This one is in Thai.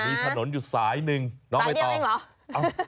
มีถนนอยู่สายหนึ่งน้องไปต่อสายเดียวนึงเหรอ